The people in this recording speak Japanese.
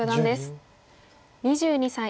２２歳。